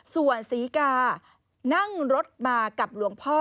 ส่วนศรีกานั่งรถมากับหลวงพ่อ